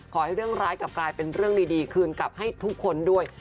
ขอให้เรื่องร้ายกลับกลายเป็นเรื่องดีคืนกลับให้ทุกคนด้วย